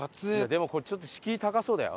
でもちょっと敷居高そうだよ。